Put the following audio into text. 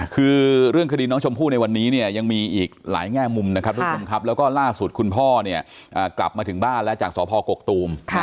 คือเรื่องคดีน้องชมพู่ในวันนี้เนี่ยยังมีอีกหลายแง่มุมนะครับทุกผู้ชมครับแล้วก็ล่าสุดคุณพ่อเนี่ยกลับมาถึงบ้านแล้วจากสพกกตูม